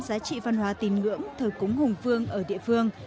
giá trị văn hóa tình ngưỡng thời cúng hùng vương ở địa phương